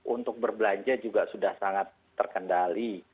untuk berbelanja juga sudah sangat terkendali